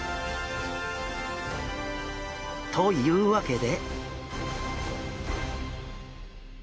というわけで。